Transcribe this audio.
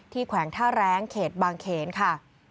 แขวงท่าแรงเขตบางเขนค่ะ